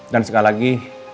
dan sekali lagi